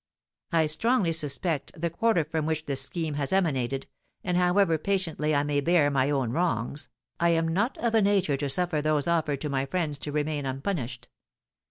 I strongly suspect the quarter from which this scheme has emanated; and however patiently I may bear my own wrongs, I am not of a nature to suffer those offered to my friends to remain unpunished.